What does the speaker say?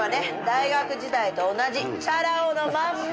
大学時代と同じチャラ男のまんま。